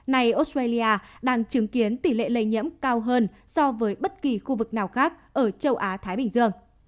này australia đang chứng kiến tỷ lệ lây nhiễm cao hơn so với bất kỳ khu vực nào khác ở châu á thái bình dương